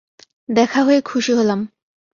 দেখা হয়ে খুশি হলাম।